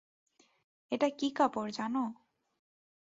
এটা কী কাপড় জানো?